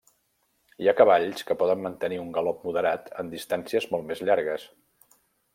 Hi ha cavalls que poden mantenir un galop moderat en distàncies molt més llargues.